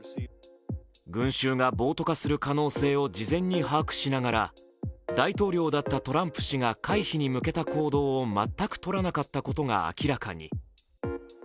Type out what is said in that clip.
群衆が暴徒化する可能性を事前に把握しながら大統領だったトランプ氏が回避に向けた行動を全くとらなかったことが明らかに。